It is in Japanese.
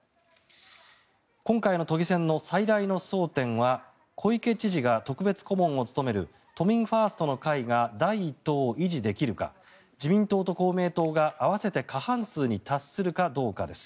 今回の都議選の最大の争点は小池知事が特別顧問を務める都民ファーストの会が第１党を維持できるか自民党と公明党が合わせて過半数に達するかどうかです。